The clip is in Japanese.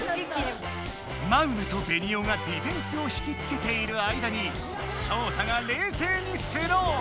マウナとベニオがディフェンスを引きつけている間にショウタがれいせいにスロー！